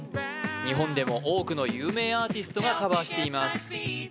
日本でも多くの有名アーティストがカバーしています